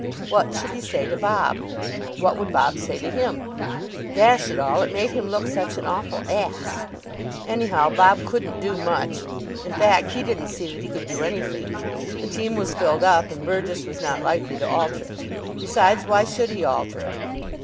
What should he say to Bob? What would Bob say to him? Dash it all, it made him look such an awful ass! Anyhow, Bob couldn't do much. In fact he didn't see that he could do anything. The team was filled up, and Burgess was not likely to alter it. Besides, why should he alter it?